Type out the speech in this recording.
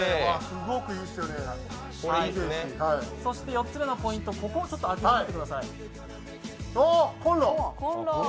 そして４つめのポイント、ここを開けてみてください。